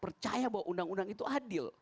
percaya bahwa undang undang itu adil